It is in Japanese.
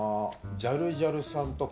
ジャルジャルさんとか。